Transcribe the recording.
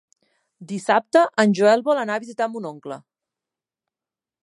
Dissabte en Joel vol anar a visitar mon oncle.